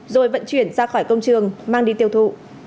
rồi vận chuyển ra khỏi công trường mang đi tiêu thụ